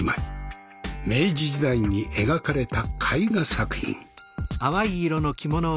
明治時代に描かれた絵画作品。